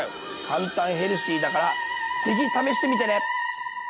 簡単ヘルシーだから是非試してみてね。